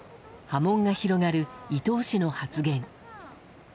波紋が広がる伊東氏の発言。